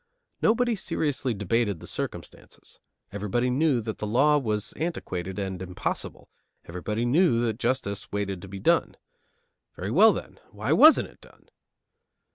Nobody seriously debated the circumstances; everybody knew that the law was antiquated and impossible; everybody knew that justice waited to be done. Very well, then, why wasn't it done?